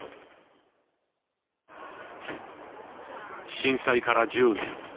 震災から１０年。